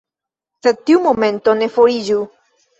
Sed tiu momento ne foriĝu.